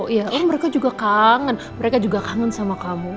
oh mereka juga kangen mereka juga kangen sama kamu